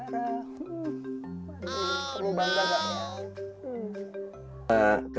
waduh perlu bangga banget ya